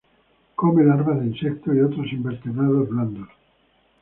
Come larvas de insectos y otros invertebrados blandos.